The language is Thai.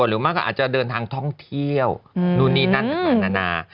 หรือมากก็อาจจะเดินทางท่องเที่ยวนู่นนี่นั่นต่างนานา